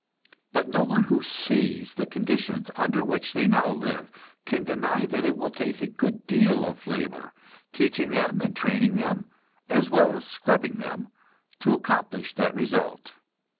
But no one who sees the conditions under which they now live can deny that it will take a good deal of labor, teaching them and training them, as well as scrubbing them, to accomplish that result.